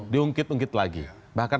diungkit ungkit lagi bahkan